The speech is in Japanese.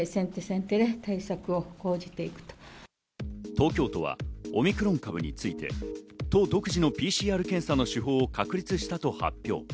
東京都はオミクロン株について都独自のＰＣＲ検査の手法を確立したと発表。